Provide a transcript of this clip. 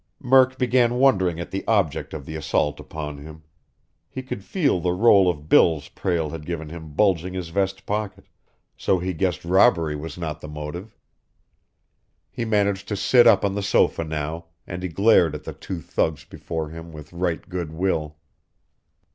Murk began wondering at the object of the assault upon him. He could feel the roll of bills Prale had given him bulging his vest pocket, so he guessed robbery was not the motive. He managed to sit up on the sofa now, and he glared at the two thugs before him with right good will.